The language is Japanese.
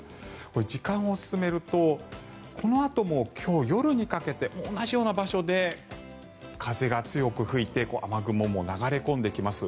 時間を進めるとこのあとも今日夜にかけて同じような場所で風が強く吹いて雨雲も流れ込んできます。